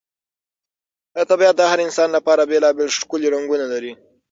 طبیعت د هر انسان لپاره بېلابېل ښکلي رنګونه لري.